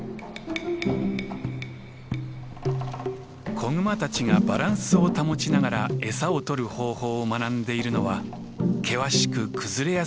子グマたちがバランスを保ちながら餌を取る方法を学んでいるのは険しく崩れやすい斜面です。